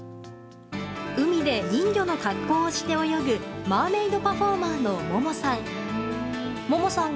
海で人魚の格好をして泳ぐマーメイドパフォーマーのももさん。